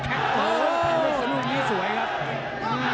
แผ่นเลยซะรูปนี้สวยครับ